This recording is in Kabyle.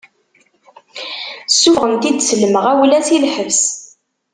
Ssufɣen-t-id s lemɣawla si lḥebs.